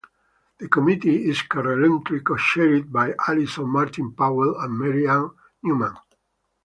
The committee is currently cochaired by Allison Martin Powell and Mary Ann Newmann.